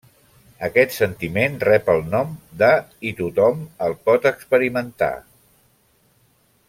Aquest sentiment rep el nom de i tothom el pot experimentar.